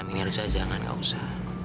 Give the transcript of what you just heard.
mirza jangan gak usah